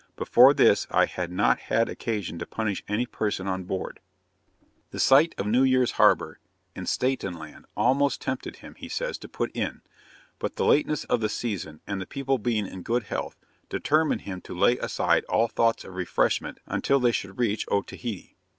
Before this I had not had occasion to punish any person on board.' The sight of New Year's Harbour, in Staaten Land, almost tempted him, he says, to put in; but the lateness of the season, and the people being in good health, determined him to lay aside all thoughts of refreshment until they should reach Otaheite.